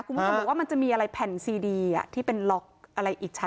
คุณผู้ชมบอกว่ามันจะมีอะไรแผ่นซีดีที่เป็นล็อกอะไรอีกชั้น